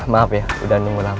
maaf ya udah nunggu lama